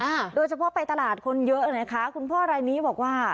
อ่าโดยเฉพาะไปตลาดคนเยอะนะคะคุณพ่อรายนี้บอกว่า